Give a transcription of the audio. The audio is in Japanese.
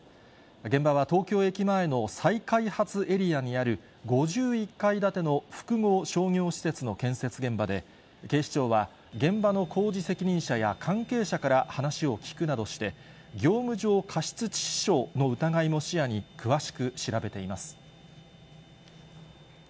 現場は東京駅前の再開発エリアにある、５１階建ての複合商業施設の建設現場で、警視庁は、現場の工事責任者や関係者から話を聞くなどして、業務上過失致死傷の疑いも視野に詳しく調べています。